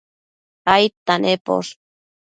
aidta nemposh?